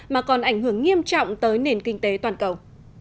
mà còn ảnh hưởng nghiêm trọng tới nền kinh tế toàn cầu